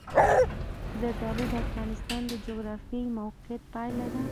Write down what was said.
زردالو د افغانستان د جغرافیایي موقیعت پایله ده.